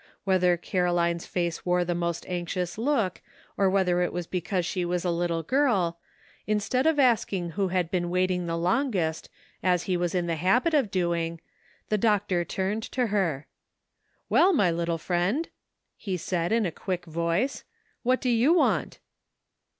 Whether Caroline's face wore the most anxious look, or whether it was because she was a little girl, in stead of asking who had been waiting the long est, as he was in the habit of doing, the doctor turned to her. " Well, my little friend," he said, in a quick voice, " what do you want